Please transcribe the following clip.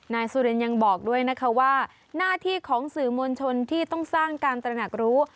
นายสุรินยังบอกด้วยนะคะว่าหน้าที่ของสื่อมวลชนที่ต้องสร้างการตระหนักรู้